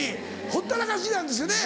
ほったらかしなんですよね。